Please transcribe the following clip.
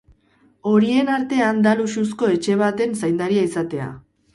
Horien artean da luxuzko etxe baten zaindaria izatea.